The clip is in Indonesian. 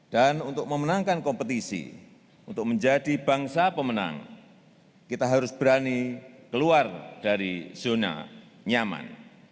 dan untuk memenangkan kompetisi untuk menjadi bangsa pemenang kita harus berani keluar dari zona nyaman